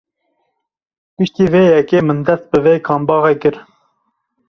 Piştî vê yekê min dest bi vê kambaxê kir!.